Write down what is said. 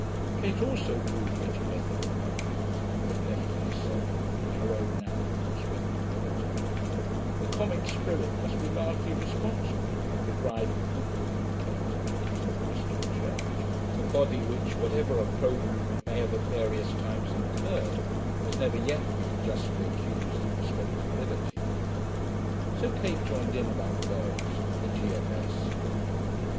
Kate also drew rigid ethical lines, when left to herself and her own natural respectability; the comic spirit must be largely responsible for driving people like Kate into the Christian church, a body which, whatever opprobrium it may have at various times incurred, has never yet been justly accused of respectability. So Kate joined in about Girls and the G.F.S.